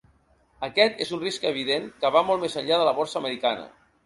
Aquest és un risc evident que va molt més enllà de la borsa americana.